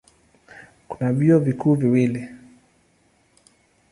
Kuna vyuo vikuu viwili.